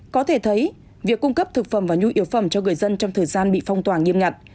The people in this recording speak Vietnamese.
có thể thấy việc cung cấp thực phẩm và nhu yếu phẩm cho người dân trong thời gian bị phong tỏa nghiêm ngặt